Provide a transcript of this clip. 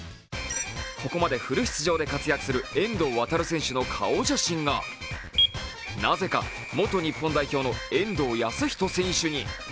ここまでフル出場で活躍する遠藤航選手の顔写真がなぜか元日本代表の遠藤保仁選手に。